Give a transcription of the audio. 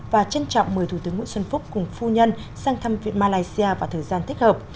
và trân trọng mời thủ tướng nguyễn xuân phúc cùng phu nhân sang thăm viện malaysia vào thời gian thích hợp